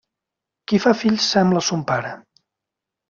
Qui fa fills sembla a son pare.